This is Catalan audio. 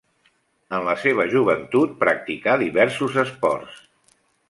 En la seva joventut practicà diversos esports.